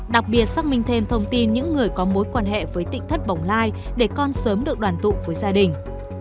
đặc biệt xác minh thêm thông tin những người có mối quan hệ với tịnh thất bỏng lai để con sớm được đoàn tụ với gia đình